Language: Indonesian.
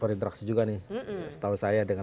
berinteraksi juga nih setahu saya dengan